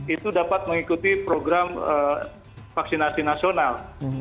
itu dapat mengikuti program vaksinasi nasional